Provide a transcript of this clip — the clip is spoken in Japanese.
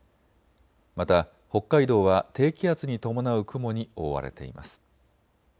また北海道は低気圧に伴う雲に覆われています。